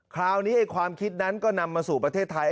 คราวนี้ความคิดนั้นก็นำมาสู่ประเทศไทย